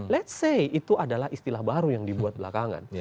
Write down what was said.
let's say itu adalah istilah baru yang dibuat belakangan